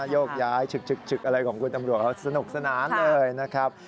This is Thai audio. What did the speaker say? โยกย้ายฉึกอะไรของคุณตำรวจเขาสนุกสนานเลยนะครับ